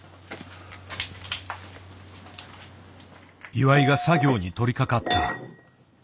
岩井が作業にとりかかった。